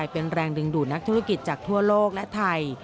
เป็นแรงดึงดูดนักธุรกิจจากทั่วโลกและไทย